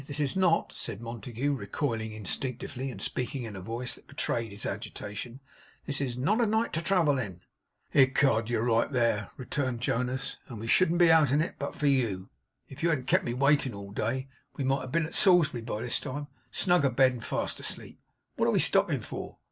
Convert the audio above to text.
This is not,' said Montague, recoiling instinctively, and speaking in a voice that betrayed his agitation; 'this is not a night to travel in.' 'Ecod! you're right there,' returned Jonas, 'and we shouldn't be out in it but for you. If you hadn't kept me waiting all day, we might have been at Salisbury by this time; snug abed and fast asleep. What are we stopping for?